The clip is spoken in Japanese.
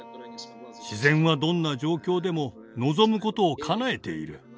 自然はどんな状況でも望むことをかなえている。